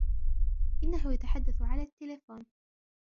إنهُ يتحدث على التليفون.